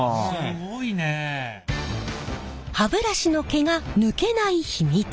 歯ブラシの毛が抜けない秘密。